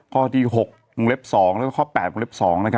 ข้อที่๖วงเล็บ๒แล้วก็ข้อ๘วงเล็บ๒